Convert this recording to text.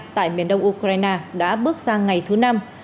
tại miền đông ukraine đã bước sang ngày thứ năm